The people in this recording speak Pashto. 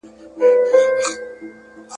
او په ګلڅانګو کي له تاکه پیمانې وي وني ..